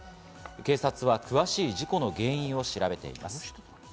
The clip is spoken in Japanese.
警察は詳しい事故の原因を調べています。